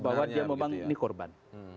bahwa dia memang ini korban